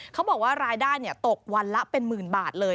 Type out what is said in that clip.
เขาบอกว่ารายได้ตกวันละเป็นหมื่นบาทเลย